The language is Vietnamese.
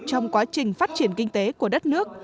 trong quá trình phát triển kinh tế của đất nước